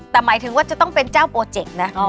แต่หมายถึงว่าจะต้องเป็นเจ้าโปรเจกต์นะ